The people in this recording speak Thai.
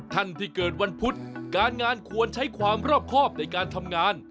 ท่านที่เกิดวันพุธการงานควรใช้ความรอบครอบในการทำงาน